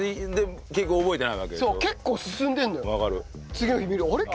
次の日見るとあれ？